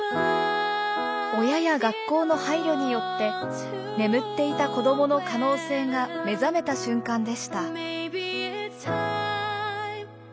親や学校の配慮によって眠っていた子どもの可能性が目覚めた瞬間でした。